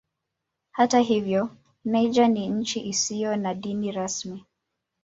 Hata hivyo Niger ni nchi isiyo na dini rasmi.